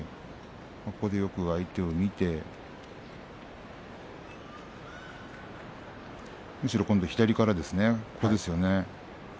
よく相手を見てむしろ左からですね